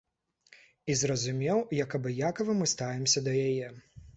І зразумеў, як абыякава мы ставімся да яе.